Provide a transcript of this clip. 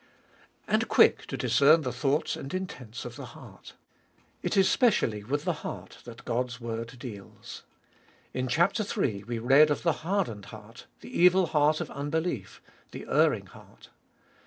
And quick to discern the thoughts and intents of the heart. It is specially with the heart that God's word deals. In chap. iii. we read of the hardened heart, the evil heart of unbelief, the erring heart.